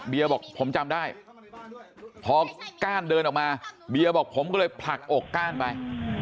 บอกผมจำได้พอก้านเดินออกมาเบียบอกผมก็เลยผลักอกก้านไป